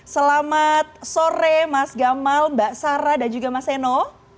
selamat sore mas gamal mbak sarah dan juga mas seno